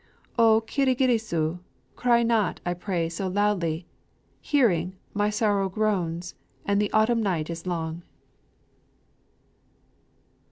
O Kirigirisu! cry not, I pray, so loudly! Hearing, my sorrow grows, and the autumn night is long!